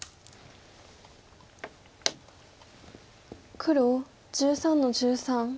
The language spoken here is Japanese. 黒１３の十三切り。